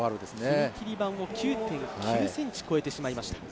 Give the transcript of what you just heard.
踏み切り板を９．９ｃｍ超えてしまいました。